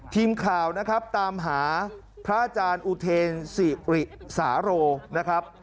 ทีมข่าวนะครับตามหาพระอาจารย์อุเทนสิริสาโรนะครับ